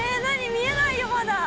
見えないよまだ。